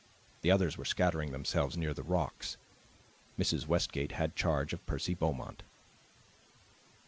The others were scattering themselves near the rocks; Mrs. Westgate had charge of Percy Beaumont.